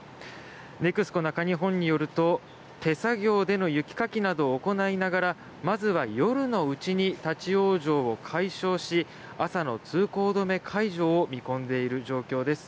ＮＥＸＣＯ中日本によると手作業での雪かきなどを行いながらまずは夜のうちに立ち往生を解消し朝の通行止め解除を見込んでいる状況です。